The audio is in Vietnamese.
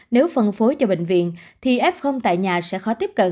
nếu phân phối cho bệnh viện thì f tại nhà sẽ khó tiếp cận